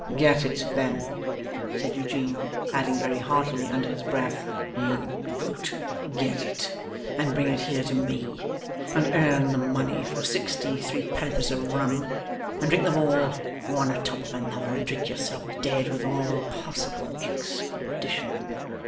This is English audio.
'Get it then,' said Eugene; adding very heartily under his breath, ' You Brute! Get it, and bring it here to me, and earn the money for sixty threepenn'orths of rum, and drink them all, one a top of another, and drink yourself dead with all possible expedition.